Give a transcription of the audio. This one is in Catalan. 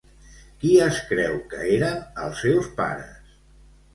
Qui es creu que eren els seus pares?